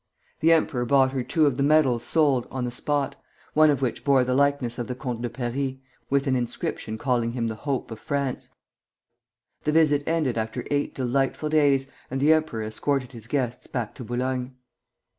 The emperor bought her two of the medals sold on the spot, one of which bore the likeness of the Comte de Paris, with an inscription calling him the hope of France. The visit ended after eight delightful days, and the emperor escorted his guests back to Boulogne.